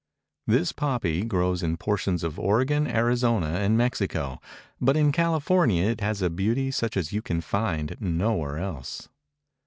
This poppy grows in portions of Oregon, Arizona and Mexico, but in California it has a beauty such as you can find nowhere else.